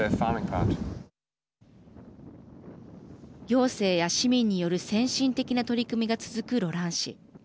行政や市民による先進的な取り組みが続くロラン市。